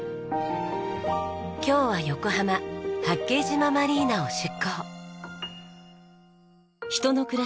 今日は横浜八景島マリーナを出航。